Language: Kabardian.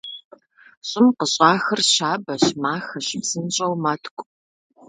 Щӏым къыщӏахыр щабэщ, махэщ, псынщӏэу мэткӏу.